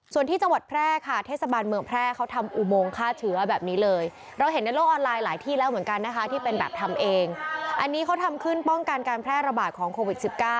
ส่วนที่จังหวัดแพร่ค่ะเทศบาลเมืองแพร่เขาทำอุโมงฆ่าเชื้อแบบนี้เลยเราเห็นในโลกออนไลน์หลายที่แล้วเหมือนกันนะคะที่เป็นแบบทำเองอันนี้เขาทำขึ้นป้องกันการแพร่ระบาดของโควิด๑๙